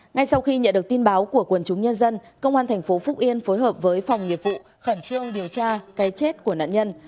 ngay sau khi nhận được tin báo của quần chúng nhân dân công an thành phố phúc yên phối hợp với phòng nghiệp vụ khẩn trương điều tra cái chết của nạn nhân